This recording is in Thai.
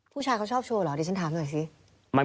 ผู้ชายเขาชอบโชว์เหรอดิฉันถามหน่อยสิ